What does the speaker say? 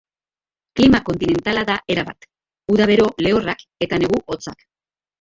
Klima kontinentala da erabat: uda bero lehorrak eta negu hotzak.